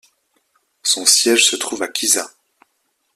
Son siège se trouve à Kisa.